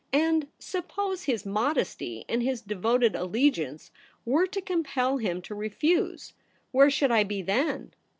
And suppose his modesty and his devoted allegiance were to compel him to refuse, where should I be then